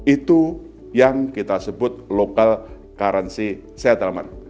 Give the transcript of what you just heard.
itu yang kita sebut local currency settlement